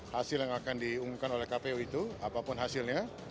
hasil yang akan diumumkan oleh kpu itu apapun hasilnya